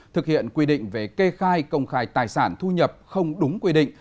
thực hiện quy định về kê khai công khai tài sản thu nhập không đúng quy định